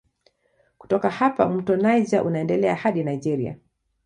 Kutoka hapa mto Niger unaendelea hadi Nigeria.